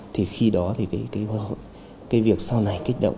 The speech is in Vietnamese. thì khi đó thì cái việc sau này kích động